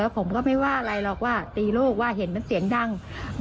ผมก็ไม่ว่าอะไรหรอกว่าตีลูกว่าเห็นมันเสียงดัง